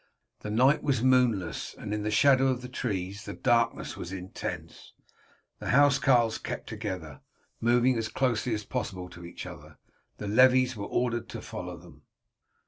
The night was moonless, and in the shadow of the trees the darkness was intense. The housecarls kept together, moving as closely as possible to each other. The levies were ordered to follow them.